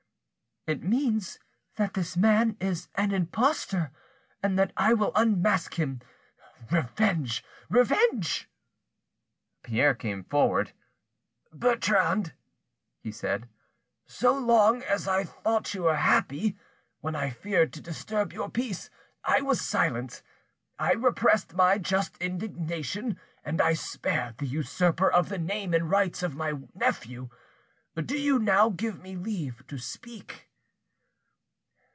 "It means that this man is an impostor and that I will unmask him. Revenge! revenge!" Pierre came forward. "Bertrande," he said, "so long as I thought you were happy, when I feared to disturb your peace, I was silent, I repressed my just indignation, and I spared the usurper of the name and rights of my nephew. Do you now give me leave to speak?"